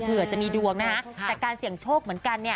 เผื่อจะมีดวงนะฮะแต่การเสี่ยงโชคเหมือนกันเนี่ย